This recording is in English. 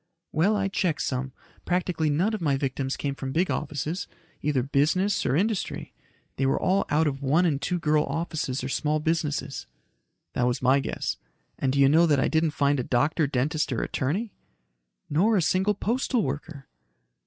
"Well, I checked some. Practically none of my victims came from big offices, either business or industry. They were all out of one and two girl offices or small businesses." "That was my guess. And do you know that I didn't find a doctor, dentist or attorney?" "Nor a single postal worker."